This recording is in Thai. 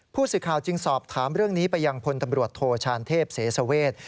ผู้สื่อข่าวจึงสอบถามเรื่องนี้ไปยังพลตำรวจโทชานเทพเสสเวท